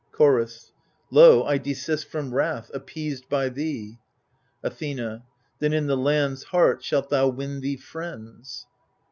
Chorus Lo, I desist from wrath, appeased by thee. Athena Then in the land's heart shalt thou win thee friends.